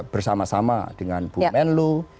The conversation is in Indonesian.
bersama sama dengan bu menlu